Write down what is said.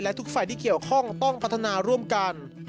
และทุกฝ่ายที่เกี่ยวข้องต้องพัฒนาร่วมกัน